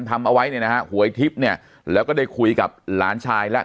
ทำเอาไว้เนี่ยนะฮะหวยทิพย์เนี่ยแล้วก็ได้คุยกับหลานชายแล้ว